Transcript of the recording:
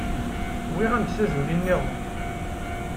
Wwiɣ-am-d taduli-nniḍen